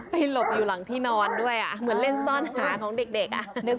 หลบอยู่หลังที่นอนด้วยอ่ะเหมือนเล่นซ่อนหาของเด็กอ่ะ